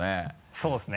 そうですね。